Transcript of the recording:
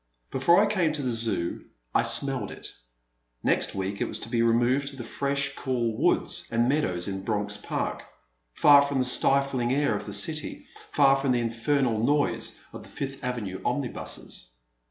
Before I came to the Zoo I smelled it. Next week it was to be removed to the fresh cool woods and meadows in Bronx Park, far from the stifling air of the city, far from the infernal noise of the Fifth Avenue omnibuses.